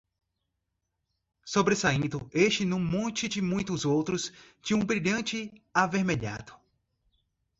sobressaindo este num monte de muitos outros, de um brilhante avermelhado